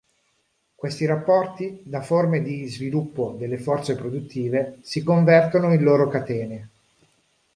Questi rapporti, da forme di sviluppo delle forze produttive, si convertono in loro catene.